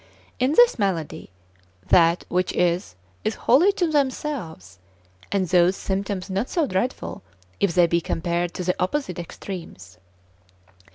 In this malady, that which is, is wholly to themselves: and those symptoms not so dreadful, if they be compared to the opposite extremes.